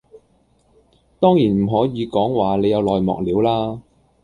當然唔可以講話你有內幕料啦